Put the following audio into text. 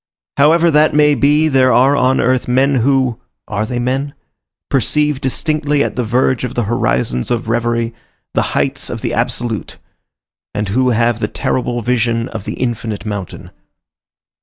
However that may be, there are on earth men who—are they men?—perceive distinctly at the verge of the horizons of reverie the heights of the absolute, and who have the terrible vision of the infinite mountain.